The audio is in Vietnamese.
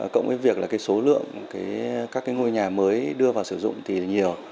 cộng với việc số lượng các ngôi nhà mới đưa vào sử dụng thì nhiều